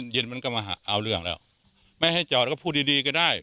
เย็นมันก็มาเอาเรื่องแล้วไม่ให้จอดแล้วก็พูดดีดีก็ได้